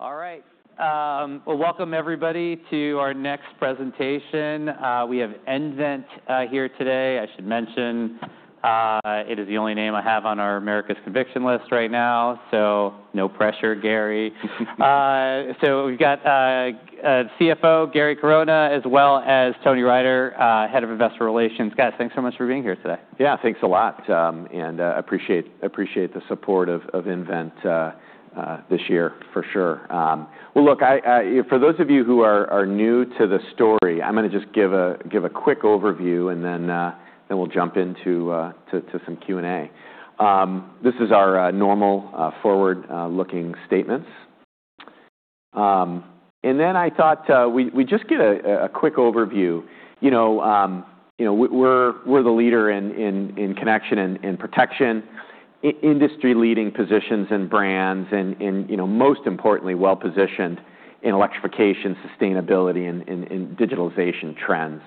All right. Well, welcome, everybody, to our next presentation. We have nVent here today. I should mention, it is the only name I have on our Americas Conviction List right now, so no pressure, Gary. We've got CFO Gary Corona, as well as Tony Riter, Head of Investor Relations. Guys, thanks so much for being here today. Yeah, thanks a lot, and I appreciate the support of nVent this year, for sure. Well, look, for those of you who are new to the story, I'm going to just give a quick overview, and then we'll jump into some Q&A. This is our normal forward-looking statements, and then I thought we'd just get a quick overview. We're the leader in connection and protection, industry-leading positions and brands, and most importantly, well-positioned in electrification, sustainability, and digitalization trends.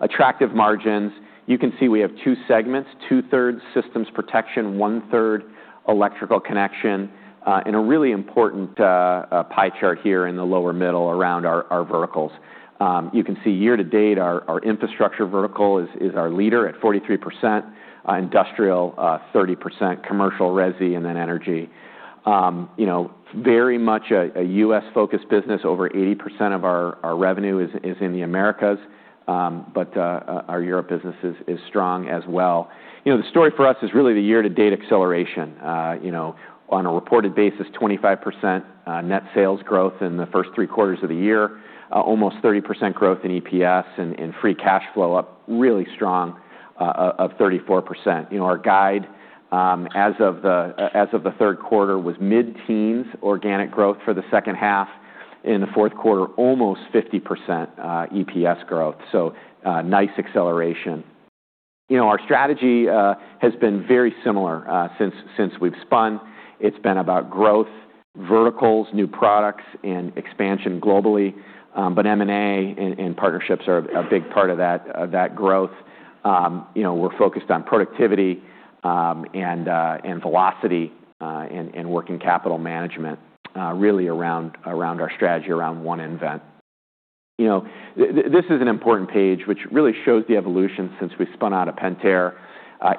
Attractive margins. You can see we have two segments: 2/3 systems protection, 1/3 electrical connection, and a really important pie chart here in the lower middle around our verticals. You can see year-to-date, our infrastructure vertical is our leader at 43%, industrial 30%, commercial, resi, and then energy. Very much a U.S.-focused business. Over 80% of our revenue is in the Americas, but our Europe business is strong as well. The story for us is really the year-to-date acceleration. On a reported basis, 25% net sales growth in the first three quarters of the year, almost 30% growth in EPS, and free cash flow up really strong of 34%. Our guide as of the third quarter was mid-teens organic growth for the second half. In the fourth quarter, almost 50% EPS growth. So nice acceleration. Our strategy has been very similar since we've spun. It's been about growth, verticals, new products, and expansion globally. But M&A and partnerships are a big part of that growth. We're focused on productivity and velocity and working capital management really around our strategy around one nVent. This is an important page, which really shows the evolution since we've spun out of Pentair.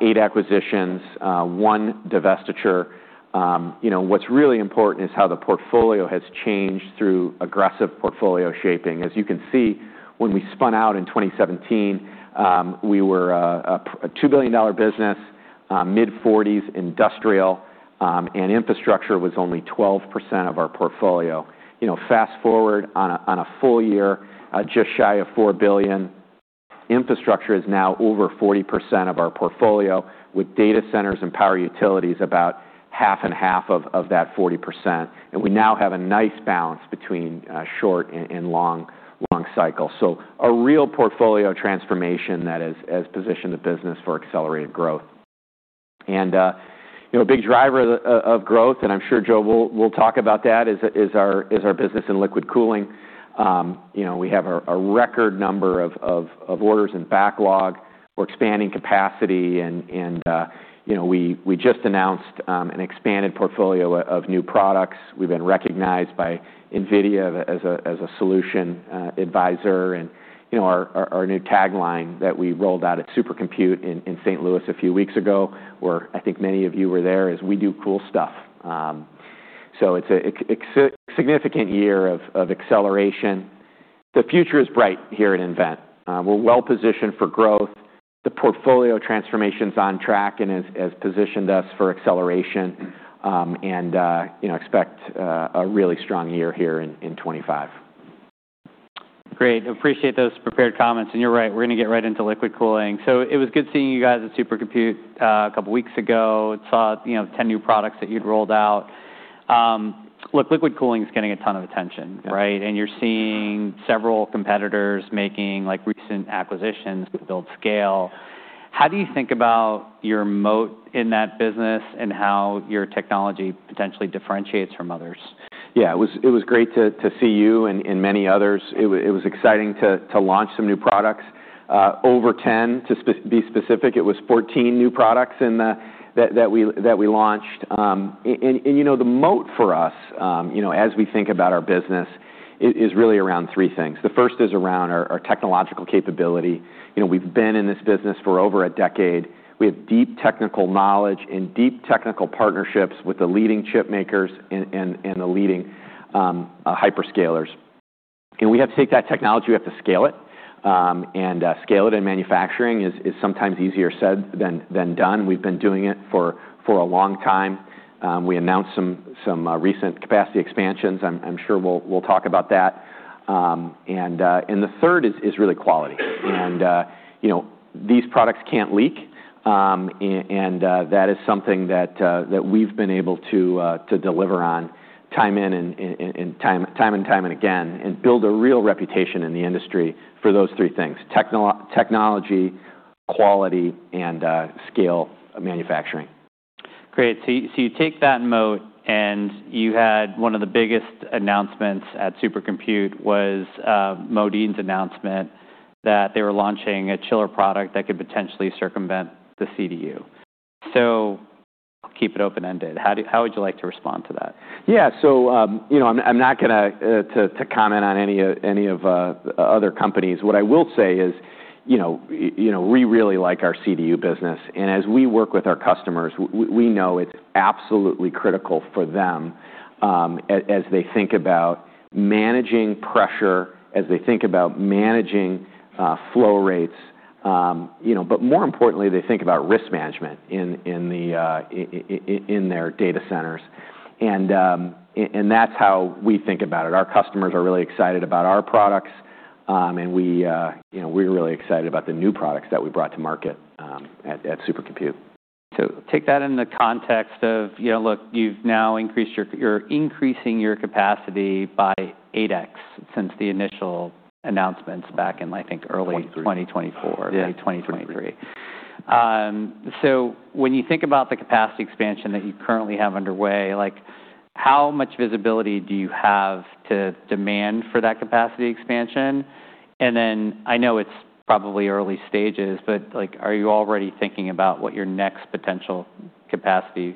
Eight acquisitions, one divestiture. What's really important is how the portfolio has changed through aggressive portfolio shaping. As you can see, when we spun out in 2017, we were a $2 billion business, mid-40s, industrial, and infrastructure was only 12% of our portfolio. Fast forward on a full year, just shy of $4 billion. Infrastructure is now over 40% of our portfolio, with data centers and power utilities about half and half of that 40%. And we now have a nice balance between short and long cycle. A real portfolio transformation that has positioned the business for accelerated growth. And a big driver of growth, and I'm sure Joe will talk about that, is our business in liquid cooling. We have a record number of orders in backlog. We're expanding capacity, and we just announced an expanded portfolio of new products. We've been recognized by NVIDIA as a solution advisor. Our new tagline that we rolled out at Supercomputing in St. Louis a few weeks ago, where I think many of you were there, is, "We do cool stuff." So it's a significant year of acceleration. The future is bright here at nVent. We're well-positioned for growth. The portfolio transformation's on track and has positioned us for acceleration. And expect a really strong year here in 2025. Great. Appreciate those prepared comments. And you're right, we're going to get right into liquid cooling. So it was good seeing you guys at Supercomputing a couple of weeks ago. Saw 10 new products that you'd rolled out. Look, liquid cooling is getting a ton of attention, right? And you're seeing several competitors making recent acquisitions to build scale. How do you think about your moat in that business and how your technology potentially differentiates from others? Yeah, it was great to see you and many others. It was exciting to launch some new products. Over 10, to be specific, it was 14 new products that we launched. And the moat for us, as we think about our business, is really around three things. The first is around our technological capability. We've been in this business for over a decade. We have deep technical knowledge and deep technical partnerships with the leading chip makers and the leading hyperscalers. And we have to take that technology, we have to scale it. And scale it in manufacturing is sometimes easier said than done. We've been doing it for a long time. We announced some recent capacity expansions. I'm sure we'll talk about that. The third is really quality. And these products can't leak. That is something that we've been able to deliver on time and time and time and again, and build a real reputation in the industry for those three things: technology, quality, and scale manufacturing. Great. You take that moat, and you had one of the biggest announcements at Supercomputing was Modine's announcement that they were launching a chiller product that could potentially circumvent the CDU. So I'll keep it open-ended. How would you like to respond to that? Yeah, I'm not going to comment on any of the other companies. What I will say is we really like our CDU business. And as we work with our customers, we know it's absolutely critical for them as they think about managing pressure, as they think about managing flow rates. But more importantly, they think about risk management in their data centers. And that's how we think about it. Our customers are really excited about our products, and we're really excited about the new products that we brought to market at Supercomputing. So take that in the context of, look, you've now increased your capacity by 8x since the initial announcements back in, I think, early 2024, late 2023. When you think about the capacity expansion that you currently have underway, how much visibility do you have to demand for that capacity expansion? And then I know it's probably early stages, but are you already thinking about what your next potential capacity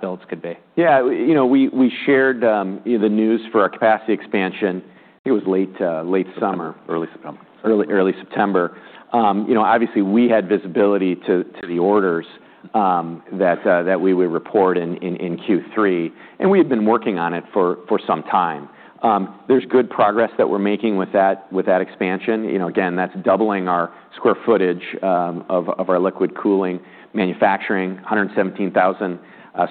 builds could be? Yeah, we shared the news for our capacity expansion. I think it was late summer, early September. Obviously, we had visibility to the orders that we would report in Q3, and we had been working on it for some time. There's good progress that we're making with that expansion. Again, that's doubling our square footage of our liquid cooling manufacturing, 117,000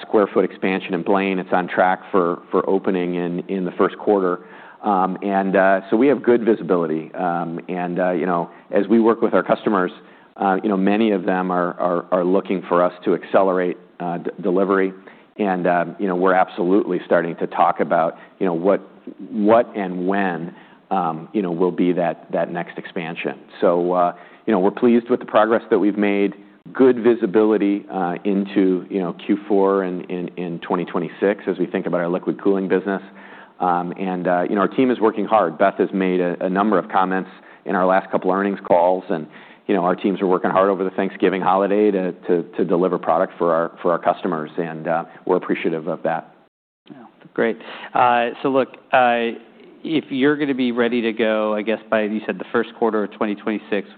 sq ft expansion in Blaine. It's on track for opening in the first quarter, and so we have good visibility, and as we work with our customers, many of them are looking for us to accelerate delivery, and we're absolutely starting to talk about what and when will be that next expansion, so we're pleased with the progress that we've made, good visibility into Q4 in 2026 as we think about our liquid cooling business, and our team is working hard. Beth has made a number of comments in our last couple of earnings calls. And our teams are working hard over the Thanksgiving holiday to deliver product for our customers. And we're appreciative of that. Great. So look, if you're going to be ready to go, I guess, by, you said, the first quarter of 2026,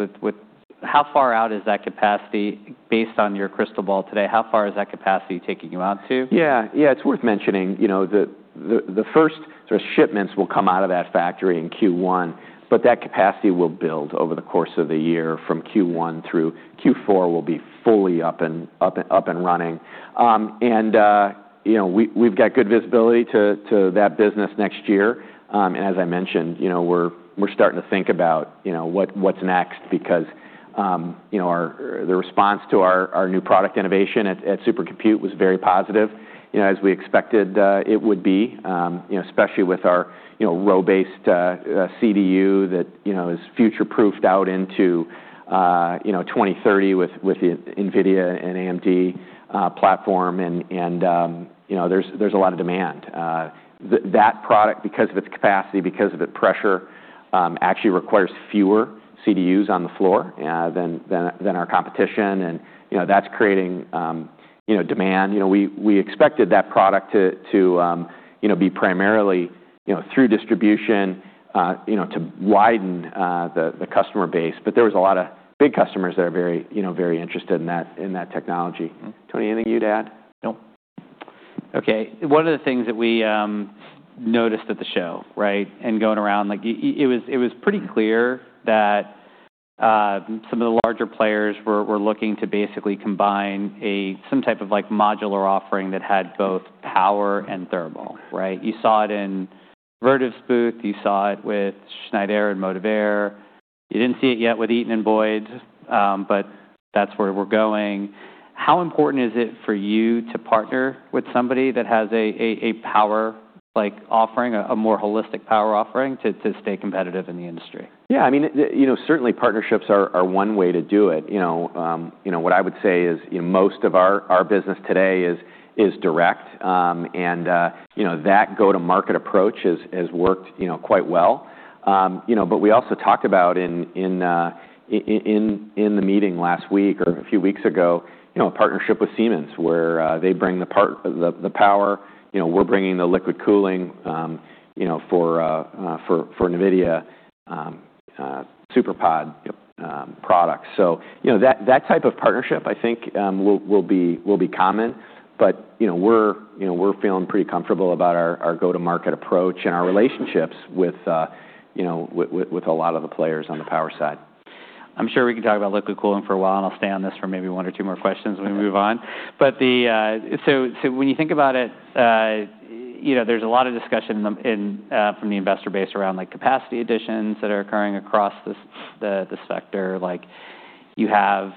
how far out is that capacity? Based on your crystal ball today, how far is that capacity taking you out to? Yeah, yeah, it's worth mentioning that the first shipments will come out of that factory in Q1. But that capacity will build over the course of the year from Q1 through Q4 and will be fully up and running. And we've got good visibility to that business next year. As I mentioned, we're starting to think about what's next because the response to our new product innovation at Supercomputing was very positive, as we expected it would be, especially with our row-based CDU that is future-proofed out into 2030 with the NVIDIA and AMD platform. And there's a lot of demand. That product, because of its capacity, because of its pressure, actually requires fewer CDUs on the floor than our competition. And that's creating demand. We expected that product to be primarily through distribution to widen the customer base. But there was a lot of big customers that are very interested in that technology. Tony, anything you'd add? Nope. Okay. One of the things that we noticed at the show, right, and going around, it was pretty clear that some of the larger players were looking to basically combine some type of modular offering that had both power and thermal, right? You saw it in Vertiv's booth. You saw it with Schneider and Motivair. You didn't see it yet with Eaton and Boyd, but that's where we're going. How important is it for you to partner with somebody that has a power offering, a more holistic power offering, to stay competitive in the industry? Yeah, I mean, certainly partnerships are one way to do it. What I would say is most of our business today is direct, and that go-to-market approach has worked quite well, but we also talked about in the meeting last week or a few weeks ago, a partnership with Siemens where they bring the power. We're bringing the liquid cooling for NVIDIA SuperPod products, so that type of partnership, I think, will be common, but we're feeling pretty comfortable about our go-to-market approach and our relationships with a lot of the players on the power side. I'm sure we can talk about liquid cooling for a while, and I'll stay on this for maybe one or two more questions when we move on, but so when you think about it, there's a lot of discussion from the investor base around capacity additions that are occurring across the sector. You have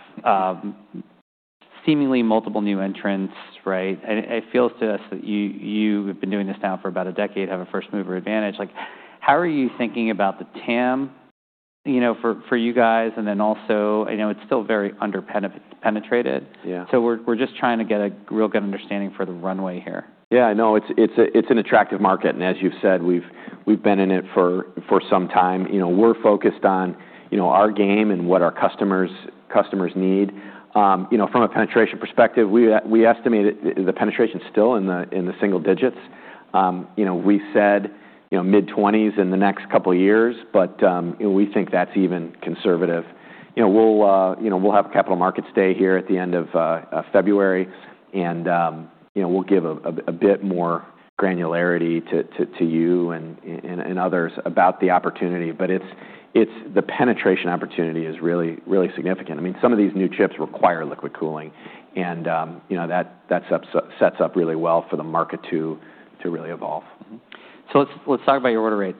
seemingly multiple new entrants, right, and it feels to us that you have been doing this now for about a decade, have a first-mover advantage. How are you thinking about the TAM for you guys, and then also, I know it's still very under-penetrated, so we're just trying to get a real good understanding for the runway here. Yeah, no, it's an attractive market. And as you've said, we've been in it for some time. We're focused on our game and what our customers need. From a penetration perspective, we estimate the penetration is still in the single digits. We said mid-20s in the next couple of years, but we think that's even conservative. We'll have Capital Markets Day here at the end of February, and we'll give a bit more granularity to you and others about the opportunity. But the penetration opportunity is really significant. I mean, some of these new chips require liquid cooling. And that sets up really well for the market to really evolve. Let's talk about your order rates.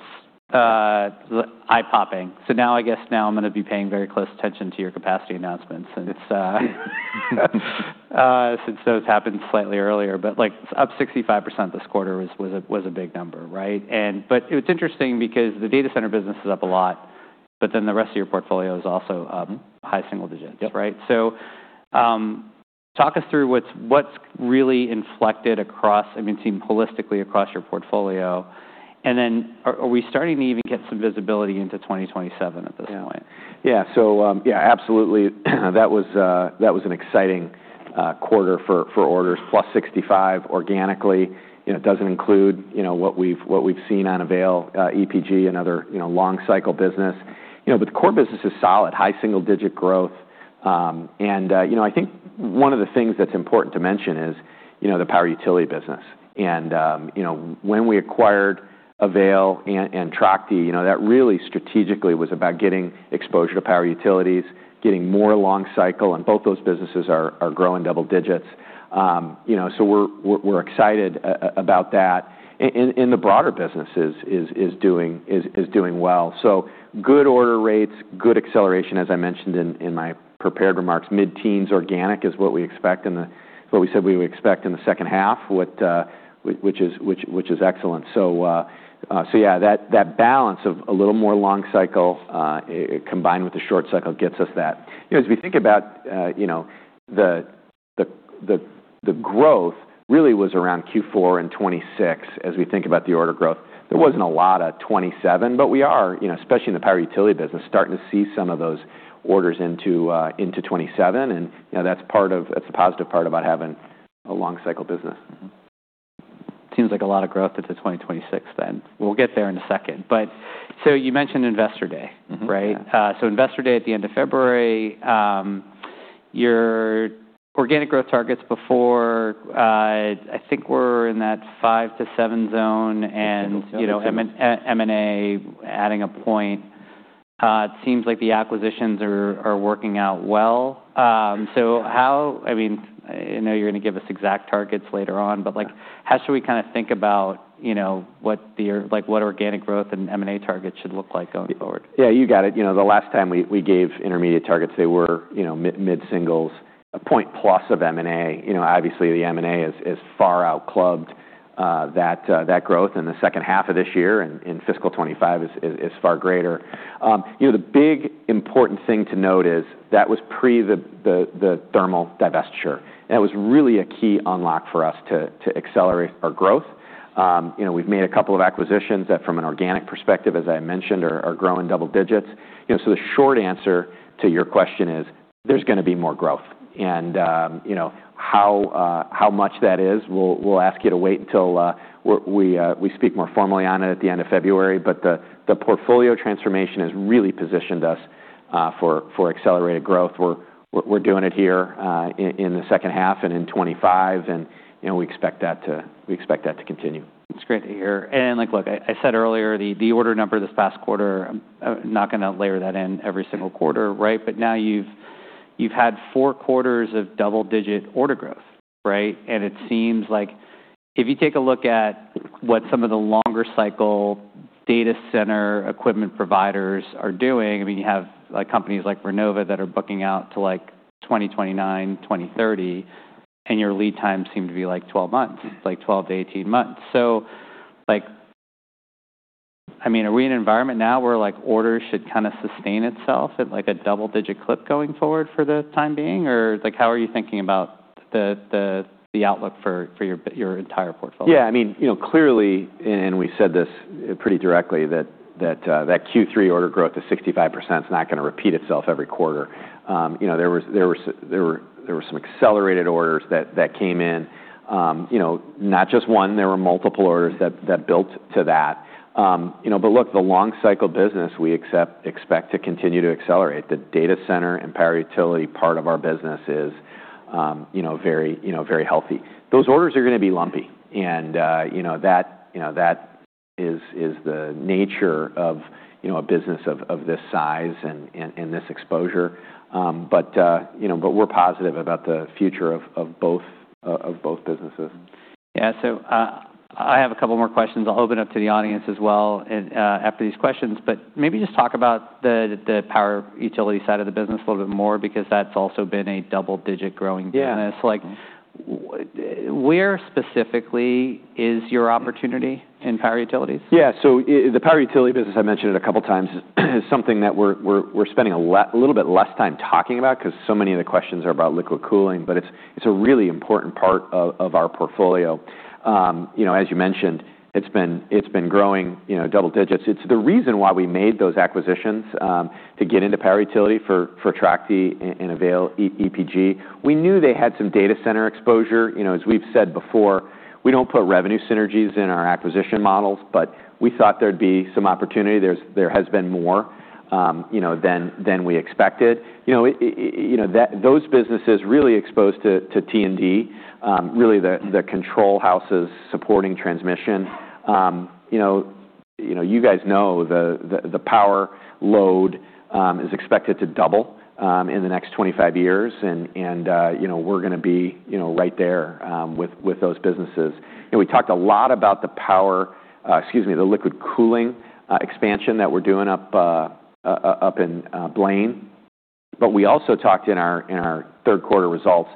Eye-popping. So now I guess now I'm going to be paying very close attention to your capacity announcements since those happened slightly earlier. But up 65% this quarter was a big number, right? But it's interesting because the data center business is up a lot, but then the rest of your portfolio is also high single digits, right? Talk us through what's really inflected across, I mean, seemed holistically across your portfolio. And then are we starting to even get some visibility into 2027 at this point? Yeah, so yeah, absolutely. That was an exciting quarter for orders, +65% organically. It doesn't include what we've seen on Avail, EPG, and other long-cycle business. But the core business is solid, high single-digit growth. And I think one of the things that's important to mention is the power utility business. And when we acquired Avail and Trachte, that really strategically was about getting exposure to power utilities, getting more long-cycle. And both those businesses are growing double digits. We're excited about that. And the broader business is doing well. So good order rates, good acceleration, as I mentioned in my prepared remarks. Mid-teens organic is what we expect in the, what we said we would expect in the second half, which is excellent. Yeah, that balance of a little more long-cycle combined with the short-cycle gets us that. As we think about the growth, really was around Q4 and 2026 as we think about the order growth. There wasn't a lot of 2027, but we are, especially in the power utility business, starting to see some of those orders into 2027, and that's part of, that's the positive part about having a long-cycle business. Seems like a lot of growth into 2026 then. We'll get there in a second. But so you mentioned Investor Day, right? Investor Day at the end of February. Your organic growth targets before, I think we're in that five to seven zone and M&A adding a point. It seems like the acquisitions are working out well. How, I mean, I know you're going to give us exact targets later on, but how should we kind of think about what organic growth and M&A targets should look like going forward? Yeah, you got it. The last time we gave intermediate targets, they were mid-singles, a point plus of M&A. Obviously, the M&A is far outpaced. That growth in the second half of this year in fiscal 2025 is far greater. The big important thing to note is that was pre the thermal divestiture, and it was really a key unlock for us to accelerate our growth. We've made a couple of acquisitions that from an organic perspective, as I mentioned, are growing double digits, so the short answer to your question is there's going to be more growth, and how much that is, we'll ask you to wait until we speak more formally on it at the end of February, but the portfolio transformation has really positioned us for accelerated growth. We're doing it here in the second half and in 2025, and we expect that to continue. That's great to hear. And look, I said earlier the order number this past quarter, I'm not going to layer that in every single quarter, right? But now you've had four quarters of double-digit order growth, right? And it seems like if you take a look at what some of the longer-cycle data center equipment providers are doing, I mean, you have companies like Vernova that are booking out to 2029, 2030, and your lead times seem to be like 12 months, like 12 to 18 months. I mean, are we in an environment now where orders should kind of sustain itself at like a double-digit clip going forward for the time being? Or how are you thinking about the outlook for your entire portfolio? Yeah, I mean, clearly, and we said this pretty directly, that Q3 order growth is 65%. It's not going to repeat itself every quarter. There were some accelerated orders that came in. Not just one, there were multiple orders that built to that. But look, the long-cycle business, we expect to continue to accelerate. The data center and power utility part of our business is very healthy. Those orders are going to be lumpy. And that is the nature of a business of this size and this exposure. But we're positive about the future of both businesses. Yeah, so I have a couple more questions. I'll open it up to the audience as well after these questions. But maybe just talk about the power utility side of the business a little bit more because that's also been a double-digit growing business. Where specifically is your opportunity in power utilities? Yeah, so the power utility business, I mentioned it a couple of times, is something that we're spending a little bit less time talking about because so many of the questions are about liquid cooling. But it's a really important part of our portfolio. As you mentioned, it's been growing double digits. It's the reason why we made those acquisitions to get into power utility for Trachte and Avail, EPG. We knew they had some data center exposure. As we've said before, we don't put revenue synergies in our acquisition models, but we thought there'd be some opportunity. There has been more than we expected. Those businesses really exposed to T&D, really the control houses supporting transmission. You guys know the power load is expected to double in the next 25 years, and we're going to be right there with those businesses. We talked a lot about the power, excuse me, the liquid cooling expansion that we're doing up in Blaine. But we also talked in our third quarter results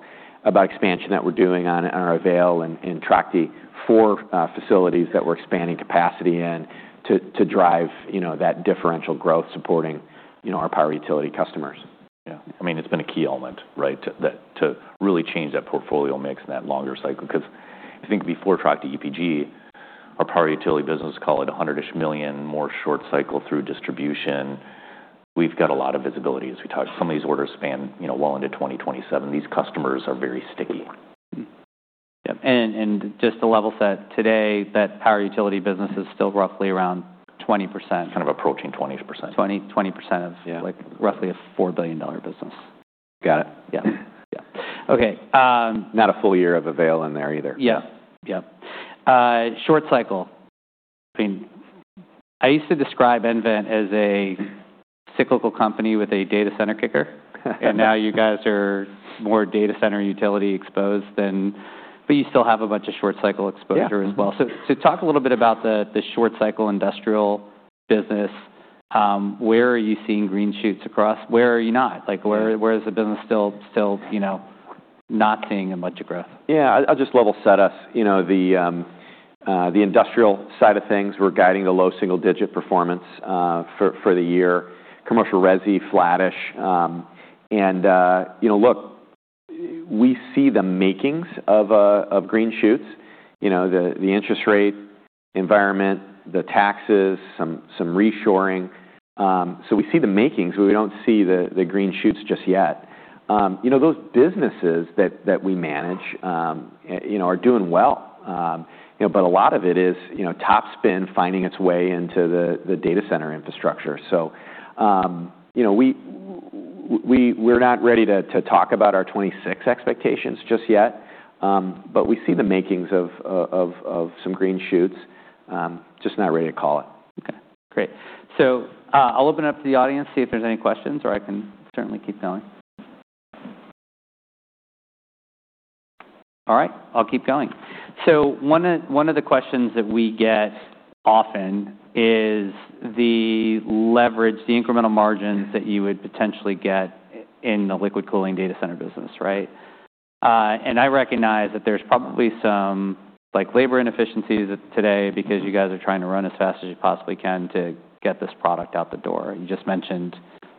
about expansion that we're doing on our Avail and Trachte for facilities that we're expanding capacity in to drive that differential growth supporting our power utility customers. Yeah, I mean, it's been a key element, right, to really change that portfolio mix and that longer cycle. Because I think before Trachte, EPG, our power utility business is called at $100 million-ish more short cycle through distribution. We've got a lot of visibility as we talk. Some of these orders span well into 2027. These customers are very sticky. Just to level set today, that power utility business is still roughly around 20%. Kind of approaching 20%. 20% of roughly a $4 billion business. Got it. Yeah. Okay. Not a full year of Avail in there either. Yeah. Short cycle. I used to describe nVent as a cyclical company with a data center kicker, and now you guys are more data center utility exposed than, but you still have a bunch of short cycle exposure as well, so talk a little bit about the short cycle industrial business. Where are you seeing green shoots across? Where are you not? Where is the business still not seeing a bunch of growth? Yeah, I'll just level set us. The industrial side of things, we're guiding low single-digit performance for the year. Commercial resi flattish, and look, we see the makings of green shoots, the interest rate environment, the taxes, some reshoring, so we see the makings, but we don't see the green shoots just yet. Those businesses that we manage are doing well, but a lot of it is cap spend finding its way into the data center infrastructure, so we're not ready to talk about our 2026 expectations just yet, but we see the makings of some green shoots, just not ready to call it. Okay. Great. So I'll open it up to the audience, see if there's any questions, or I can certainly keep going. All right. I'll keep going. One of the questions that we get often is the leverage, the incremental margins that you would potentially get in the liquid cooling data center business, right? And I recognize that there's probably some labor inefficiencies today because you guys are trying to run as fast as you possibly can to get this product out the door. You just mentioned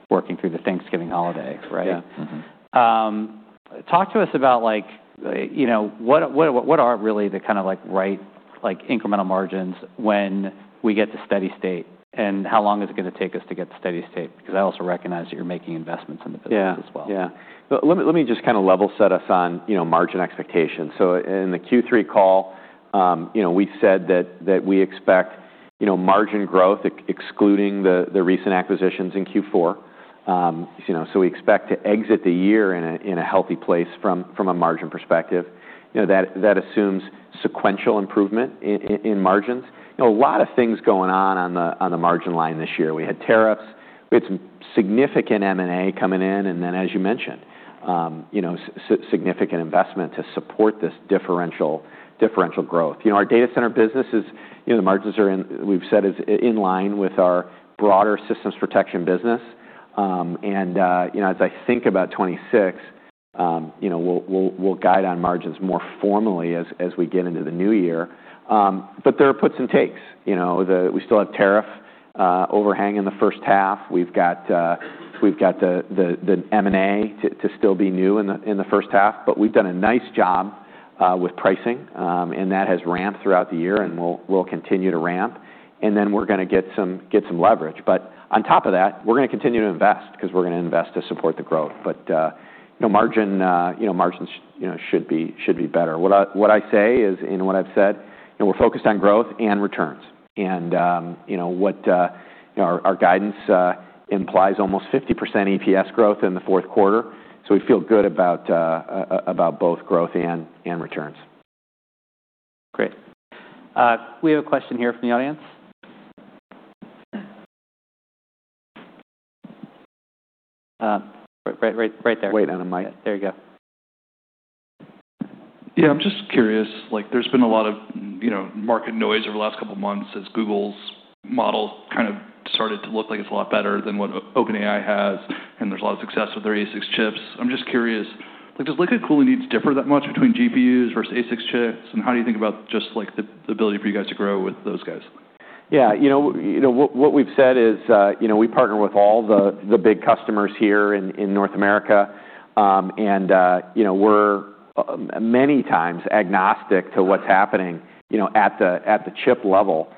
working through the Thanksgiving holiday, right? Talk to us about what are really the kind of right incremental margins when we get to steady state? And how long is it going to take us to get to steady state? Because I also recognize that you're making investments in the business as well. Yeah. Let me just kind of level set us on margin expectations. In the Q3 call, we said that we expect margin growth excluding the recent acquisitions in Q4. We expect to exit the year in a healthy place from a margin perspective. That assumes sequential improvement in margins. A lot of things going on on the margin line this year. We had tariffs. We had some significant M&A coming in. And then, as you mentioned, significant investment to support this differential growth. Our data center businesses, the margins are in, we've said is in line with our broader systems protection business. As I think about 2026, we'll guide on margins more formally as we get into the new year. But there are puts and takes. We still have tariff overhang in the first half. We've got the M&A to still be new in the first half. We've done a nice job with pricing. And that has ramped throughout the year and will continue to ramp. Then we're going to get some leverage. But on top of that, we're going to continue to invest because we're going to invest to support the growth. But margins should be better. What I say is, and what I've said, we're focused on growth and returns. What our guidance implies almost 50% EPS growth in the fourth quarter. We feel good about both growth and returns. Great. We have a question here from the audience. Right there. There you go. Yeah, I'm just curious. There's been a lot of market noise over the last couple of months as Google's model kind of started to look like it's a lot better than what OpenAI has. And there's a lot of success with their ASIC chips. I'm just curious, does liquid cooling needs differ that much between GPUs versus ASIC chips? And how do you think about just the ability for you guys to grow with those guys? Yeah. What we've said is we partner with all the big customers here in North America, and we're many times agnostic to what's happening at the chip level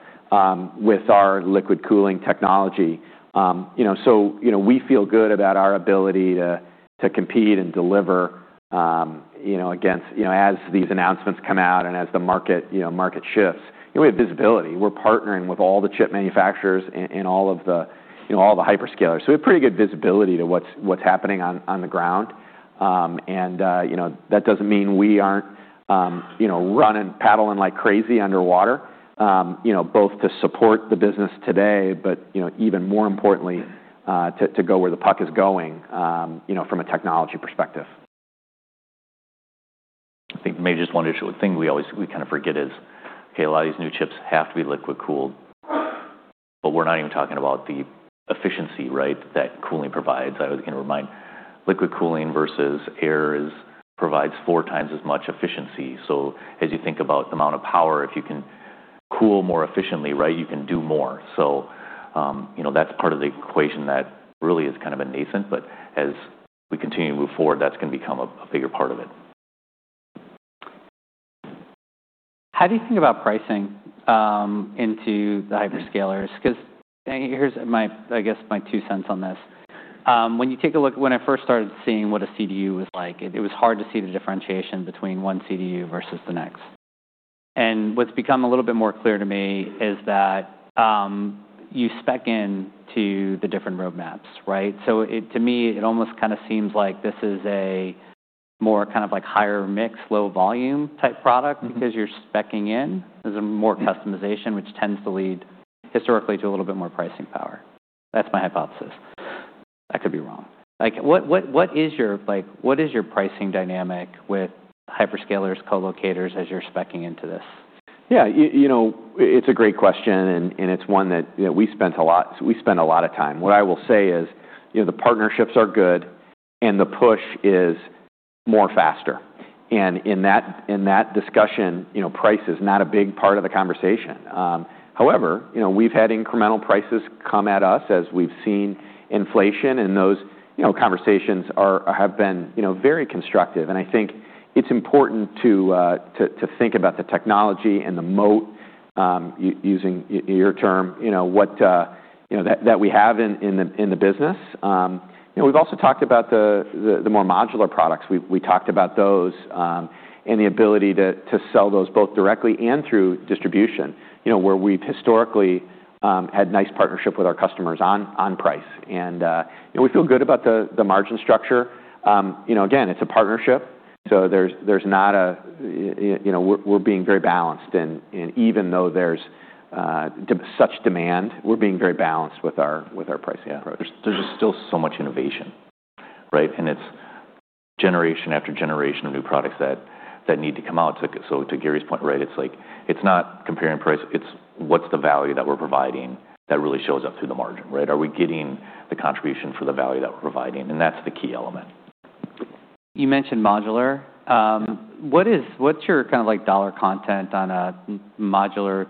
with our liquid cooling technology, so we feel good about our ability to compete and deliver against as these announcements come out and as the market shifts. We have visibility. We're partnering with all the chip manufacturers and all the hyperscalers, so we have pretty good visibility to what's happening on the ground, and that doesn't mean we aren't running, paddling like crazy underwater, both to support the business today, but even more importantly, to go where the puck is going from a technology perspective. I think maybe just one thing we always kind of forget is, okay, a lot of these new chips have to be liquid cooled. We're not even talking about the efficiency, right, that cooling provides. I was going to remind, liquid cooling versus air provides four times as much efficiency. As you think about the amount of power, if you can cool more efficiently, right, you can do more. That's part of the equation that really is kind of a nascent. But as we continue to move forward, that's going to become a bigger part of it. How do you think about pricing into the hyperscalers? Because here's, I guess, my two cents on this. When you take a look, when I first started seeing what a CDU was like, it was hard to see the differentiation between one CDU versus the next. And what's become a little bit more clear to me is that you spec in to the different roadmaps, right? So to me, it almost kind of seems like this is a more kind of like higher mix, low volume type product because you're speccing in. There's more customization, which tends to lead historically to a little bit more pricing power. That's my hypothesis. I could be wrong. What is your pricing dynamic with hyperscalers, co-locators as you're speccing into this? Yeah, it's a great question. And it's one that we spent a lot of time. What I will say is the partnerships are good and the push is more faster. And in that discussion, price is not a big part of the conversation. However, we've had incremental prices come at us as we've seen inflation. And those conversations have been very constructive. And I think it's important to think about the technology and the moat, using your term, that we have in the business. We've also talked about the more modular products. We talked about those and the ability to sell those both directly and through distribution, where we've historically had nice partnership with our customers on price. We feel good about the margin structure. Again, it's a partnership. There's not a we're being very balanced. Even though there's such demand, we're being very balanced with our pricing approach. There's just still so much innovation, right? And it's generation after generation of new products that need to come out. To Gary's point, right, it's like it's not comparing price. It's what's the value that we're providing that really shows up through the margin, right? Are we getting the contribution for the value that we're providing? And that's the key element. You mentioned modular. What's your kind of like dollar content on a modular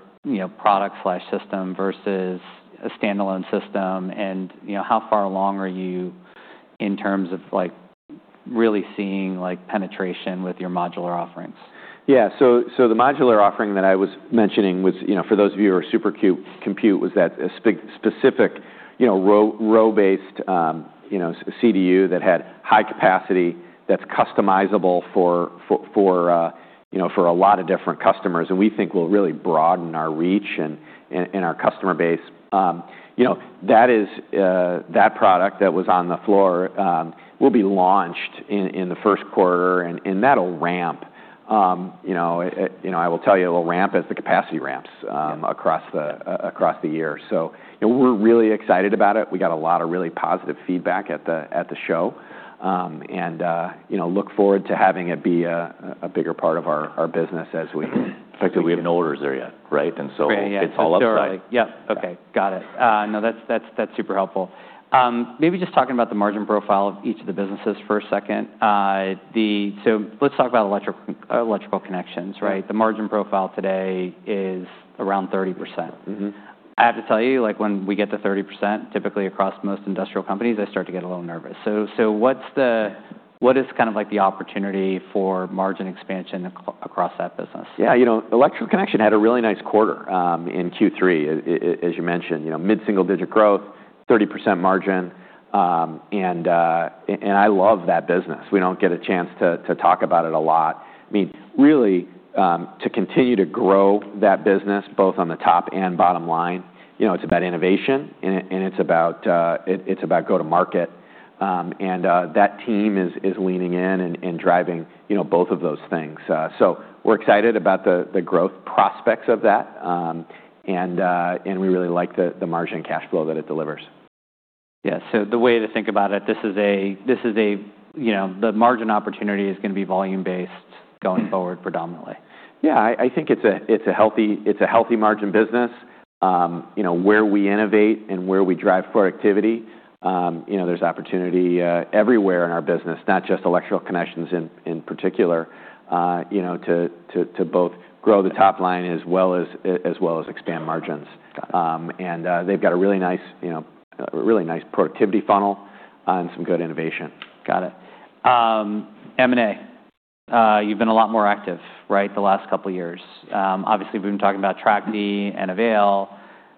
product/system versus a standalone system? And how far along are you in terms of really seeing penetration with your modular offerings? Yeah. The modular offering that I was mentioning was, for those of you who are supercomputing, was that specific row-based CDU that had high capacity that's customizable for a lot of different customers. We think we'll really broaden our reach and our customer base. That product that was on the floor will be launched in the first quarter. And that'll ramp. I will tell you, it'll ramp as the capacity ramps across the year. We're really excited about it. We got a lot of really positive feedback at the show. Look forward to having it be a bigger part of our business as we. In fact, we haven't ordered there yet, right? And so it's all up front. Yeah. Okay. Got it. No, that's super helpful. Maybe just talking about the margin profile of each of the businesses for a second. Let's talk about electrical connections, right? The margin profile today is around 30%. I have to tell you, when we get to 30%, typically across most industrial companies, I start to get a little nervous. So what is kind of like the opportunity for margin expansion across that business? Yeah. Electrical connections had a really nice quarter in Q3, as you mentioned. Mid-single-digit growth, 30% margin. And I love that business. We don't get a chance to talk about it a lot. I mean, really, to continue to grow that business, both on the top and bottom line, it's about innovation. And it's about go to market. And that team is leaning in and driving both of those things. We're excited about the growth prospects of that. And we really like the margin cash flow that it delivers. Yeah, so the way to think about it, this is the margin opportunity is going to be volume-based going forward predominantly. Yeah. I think it's a healthy margin business. Where we innovate and where we drive productivity, there's opportunity everywhere in our business, not just electrical connections in particular, to both grow the top line as well as expand margins, and they've got a really nice productivity funnel and some good innovation. Got it. M&A. You've been a lot more active, right, the last couple of years. Obviously, we've been talking about Trachte and Avail.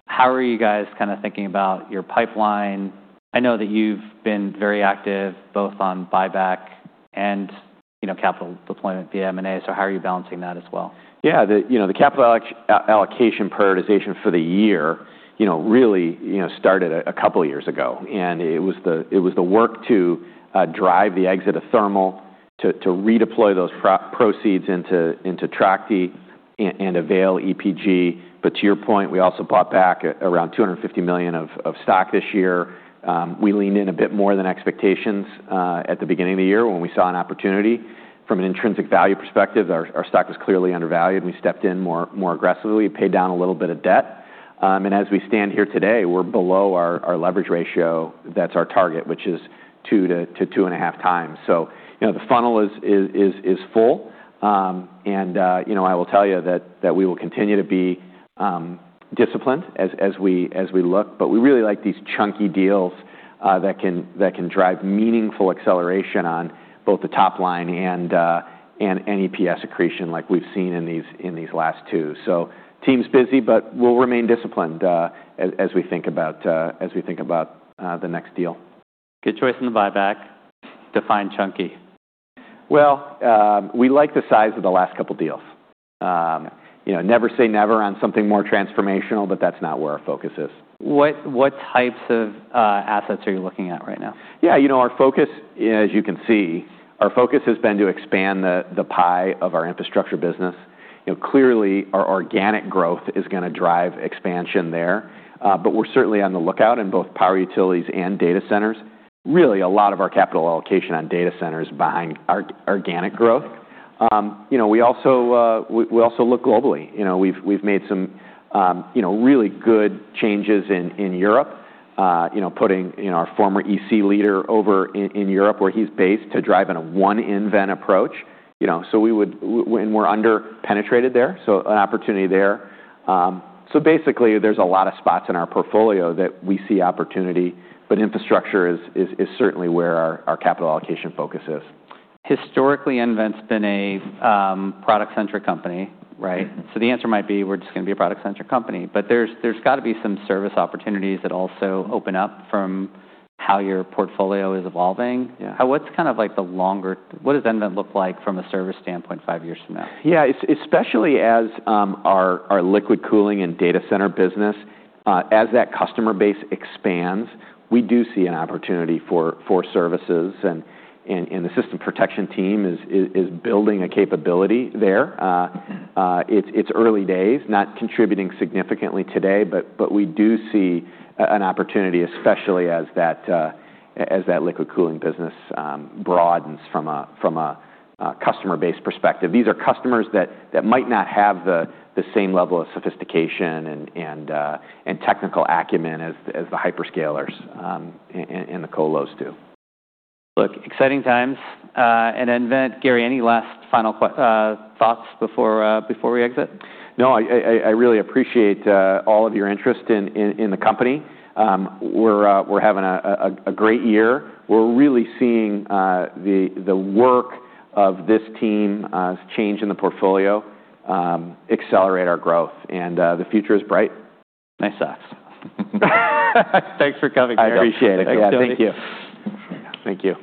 How are you guys kind of thinking about your pipeline? I know that you've been very active both on buyback and capital deployment via M&A. So how are you balancing that as well? Yeah. The capital allocation prioritization for the year really started a couple of years ago. And it was the work to drive the exit of thermal, to redeploy those proceeds into Trachte and Avail, EPG. But to your point, we also bought back around $250 million of stock this year. We leaned in a bit more than expectations at the beginning of the year when we saw an opportunity. From an intrinsic value perspective, our stock was clearly undervalued. We stepped in more aggressively, paid down a little bit of debt. As we stand here today, we're below our leverage ratio that's our target, which is two to two and a half times. The funnel is full. And I will tell you that we will continue to be disciplined as we look. But we really like these chunky deals that can drive meaningful acceleration on both the top line and EPS accretion like we've seen in these last two. Team's busy, but we'll remain disciplined as we think about the next deal. Good choice in the buyback to find chunky. Well, we like the size of the last couple of deals. Never say never on something more transformational, but that's not where our focus is. What types of assets are you looking at right now? Yeah. Our focus, as you can see, our focus has been to expand the pie of our infrastructure business. Clearly, our organic growth is going to drive expansion there. We're certainly on the lookout in both power utilities and data centers. Really, a lot of our capital allocation on data centers is behind organic growth. We also look globally. We've made some really good changes in Europe, putting our former ECM leader over in Europe where he's based to drive in a one nVent approach. We're under-penetrated there. So an opportunity there. Basically, there's a lot of spots in our portfolio that we see opportunity. But infrastructure is certainly where our capital allocation focus is. Historically, nVent's been a product-centric company, right? So the answer might be we're just going to be a product-centric company. But there's got to be some service opportunities that also open up from how your portfolio is evolving. What's kind of like the longer? What does nVent look like from a service standpoint five years from now? Yeah. Especially as our liquid cooling and data center business, as that customer base expands, we do see an opportunity for services. The system protection team is building a capability there. It's early days, not contributing significantly today. We do see an opportunity, especially as that liquid cooling business broadens from a customer-based perspective. These are customers that might not have the same level of sophistication and technical acumen as the hyperscalers and the co-los do. Look, exciting times, and nVent, Gary, any last final thoughts before we exit? No, I really appreciate all of your interest in the company. We're having a great year. We're really seeing the work of this team change in the portfolio, accelerate our growth, and the future is bright. Nice socks. Thanks for coming, Gary. I appreciate it. Thank you. Thank you.